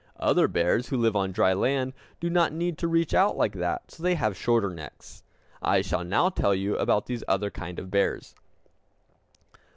Other bears, who live on dry land, do not need to reach out like that, and so they have shorter necks. I shall now tell you about these other kinds of bears.